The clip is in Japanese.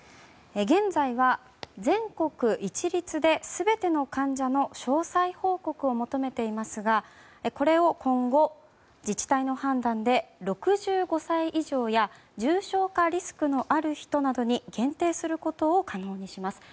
現在は全国一律で全ての患者の詳細報告を求めていますがこれを今後、自治体の判断で６５歳以上や重症化リスクのある人などに限定することを可能にします。